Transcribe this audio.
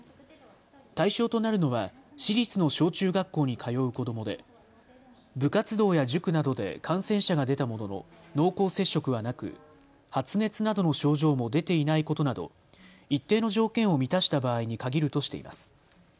対象となるのは市立の小中学校に通う子どもで、部活動や塾などで感染者が出たものの濃厚接触はなく発熱などの症状も出ていないことなど一定の条件を満たした場合に限るとしています。